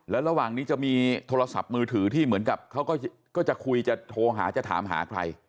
แล้วระหว่างนี้จะมีโทรศัพท์มือถือที่เหมือนกับเขาก็จะคุยจะโทรหาจะถามหาใคร